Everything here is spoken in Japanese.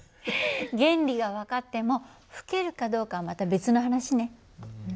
原理が分かっても吹けるかどうかはまた別の話ね。